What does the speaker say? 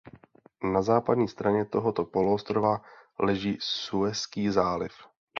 Na západní straně tohoto poloostrova leží Suezský záliv.